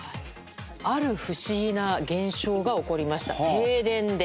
ある不思議な現象が起こりました停電で。